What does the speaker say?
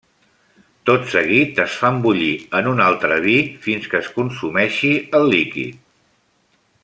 Tot seguit es fan bullir en un altre vi fins que es consumeixi el líquid.